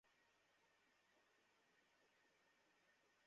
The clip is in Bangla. তুমি আমাকে মোটেও বাড়ি নিয়ে যাচ্ছ না!